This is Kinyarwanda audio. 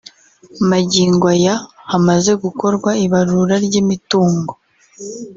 Magingo aya hamaze gukorwa ibarura ry’imitungo